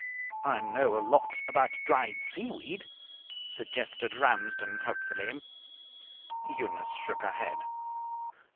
"I know a lot about dried seaweed," suggested Ramsden hopefully. Eunice shook her head.